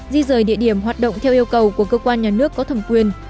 di rời địa điểm hoạt động theo yêu cầu của cơ quan nhà nước có thẩm quyền